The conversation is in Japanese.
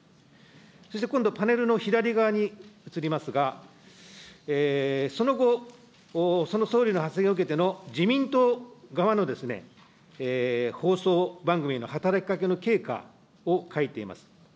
そして、今度、パネルの左側に移りますが、その後、その総理の発言を受けての自民党側の放送番組への働きかけの経過を書いています。